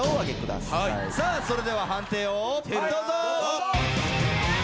それでは判定をどうぞ！